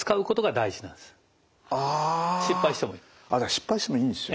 失敗してもいいんですよ。